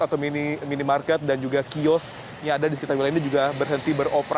atau minimarket dan juga kios yang ada di sekitar wilayah ini juga berhenti beroperasi